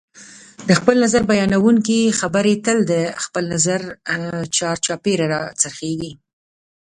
د خپل نظر بیانونکي خبرې تل د خپل نظر چار چاپېره راڅرخیږي